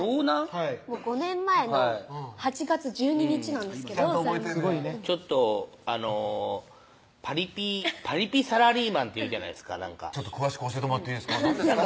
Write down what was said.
はい５年前の８月１２日なんですけどちゃんと覚えてんねやちょっとパリピサラリーマンっているじゃないですかなんか詳しく教えてもらっていいですか何ですか？